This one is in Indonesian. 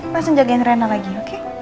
langsung jagain rena lagi oke